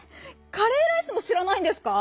「カレーライス」もしらないんですか？